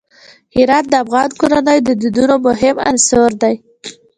هرات د افغان کورنیو د دودونو مهم عنصر دی.